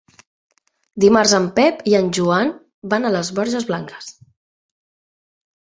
Dimarts en Pep i en Joan van a les Borges Blanques.